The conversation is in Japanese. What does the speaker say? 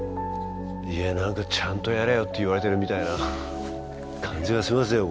いや何かちゃんとやれよって言われてるみたいな感じがしますよ